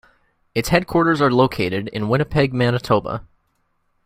Its headquarters are located in Winnipeg Manitoba.